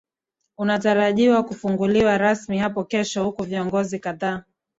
unatarajiwa kufunguliwa rasmi hapo kesho huku viongozi kadhaa